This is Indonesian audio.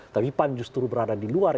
tapi pan justru berada di luar